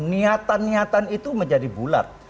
niatan niatan itu menjadi bulat